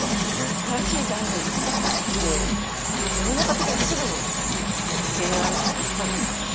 その新しいジャンル作って世の中的にはすぐにもう受け入れられたんですか？